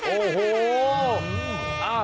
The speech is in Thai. โอ้โห